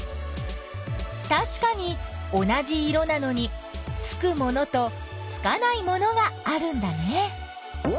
たしかに同じ色なのにつくものとつかないものがあるんだね。